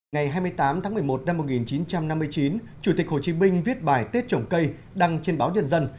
ngày hai mươi tám tháng một mươi một năm một nghìn chín trăm năm mươi chín chủ tịch hồ chí minh viết bài tết trồng cây đăng trên báo nhân dân